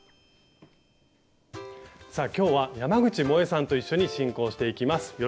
さあ今日は山口もえさんと一緒に進行していきます。